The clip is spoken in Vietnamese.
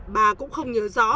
bà cũng không nhớ rõ